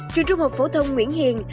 trường trung học phổ thông nguyễn hiền